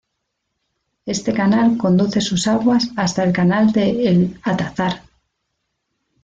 Este canal conduce sus aguas hasta el canal de El Atazar.